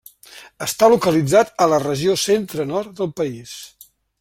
Està localitzat a la regió centre-nord del país.